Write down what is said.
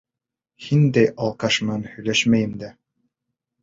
Һиндәй алкаш менән һөйләшмәйем дә!